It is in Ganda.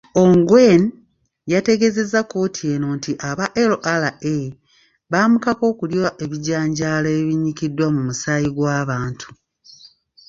Ongwen yategeeza kkooti eno nti aba LRA baamukaka okulya ebijanjaalo ebinyikiddwa mu musaayi gw'abantu.